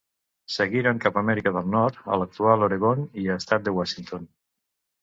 Seguiren cap Amèrica del Nord a l'actual Oregon i estat de Washington.